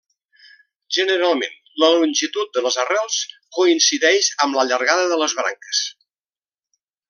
Generalment la longitud de les arrels coincideix amb la llargada de les branques.